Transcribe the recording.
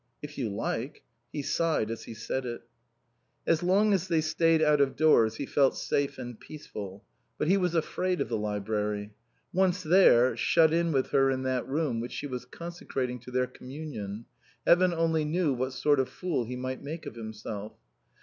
"If you like." He sighed as he said it. As long as they stayed out of doors he felt safe and peaceful; but he was afraid of the library. Once there, shut in with her in that room which she was consecrating to their communion, heaven only knew what sort of fool he might make of himself.